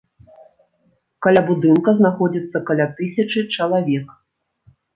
Каля будынка знаходзіцца каля тысячы чалавек.